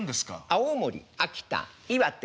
青森秋田岩手